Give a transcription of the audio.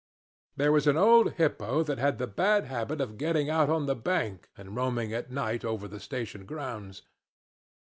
There was an old hippo that had the bad habit of getting out on the bank and roaming at night over the station grounds.